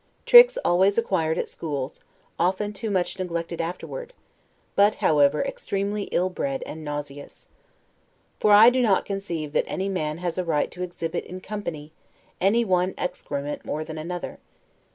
Tricks always acquired at schools, often too much neglected afterward; but, however, extremely ill bred and nauseous. For I do not conceive that any man has a right to exhibit, in company, any one excrement more than another.